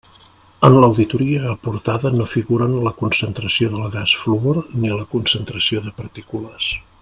En l'auditoria aportada no figuren la concentració del gas fluor, ni la concentració de partícules.